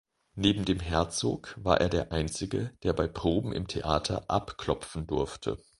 Neben dem Herzog war er der einzige, der bei Proben im Theater abklopfen durfte.